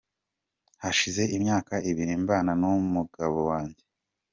Hashize imyaka ibiri mbana n’umugabo wanjye.